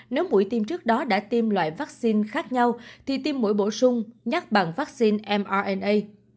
nếu mũi tiêm trước đó đã tiêm loại vắc xin khác nhau thì tiêm mũi bổ sung nhắc bằng vắc xin mrna